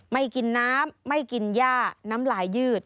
ไม่กินน้ำไม่กินย่าน้ำลายยืด